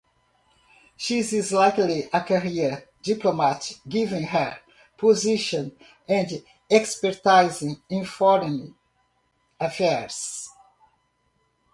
She is likely a career diplomat, given her position and expertise in foreign affairs.